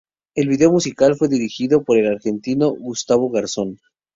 El vídeo musical fue dirigido por el argentino Gustavo Garzón.